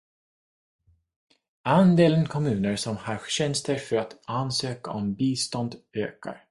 Andelen kommuner som har tjänster för att ansöka om bistånd ökar.